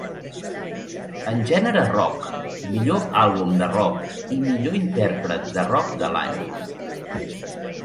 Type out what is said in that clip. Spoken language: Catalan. En gènere Rock: Millor àlbum de rock i Millor intèrpret de rock de l'any.